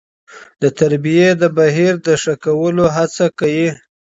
د تربيې د بهیر د ښه کولو هڅه کوي.